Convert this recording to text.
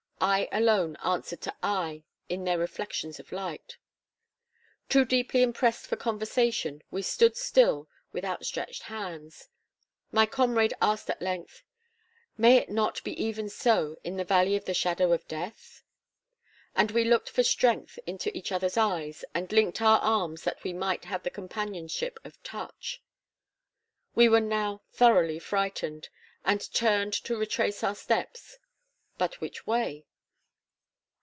Eye alone answered to eye in their reflections of light. Too deeply impressed for conversation, we stood still with outstretched hands. My comrade asked at length, 'May it not be even so in the valley of the Shadow of Death?' And we looked for strength into each other's eyes and linked our arms that we might have the companionship of touch. We were now thoroughly frightened, and turned to retrace our steps; but which way?